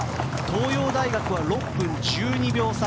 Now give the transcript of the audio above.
東洋大学は６分１２秒差。